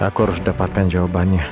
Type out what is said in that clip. aku harus dapatkan jawabannya